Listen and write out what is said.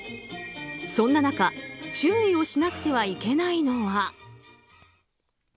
そんな中注意をしなくてはいけないのは。